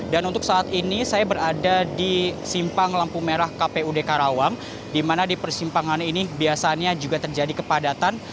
dan untuk saat ini saya berada di simpang lampu merah kpud karawang dimana di persimpangan ini biasanya juga terjadi kepadatan